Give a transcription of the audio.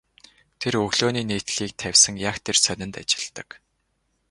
Тэр өглөөний нийтлэлийг тавьсан яг тэр сонинд ажилладаг.